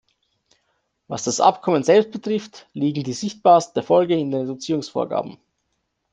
Was das Abkommen selbst betrifft, liegen die sichtbarsten Erfolge in den Reduzierungsvorgaben.